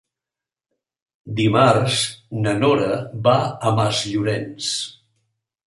Dimarts na Nora va a Masllorenç.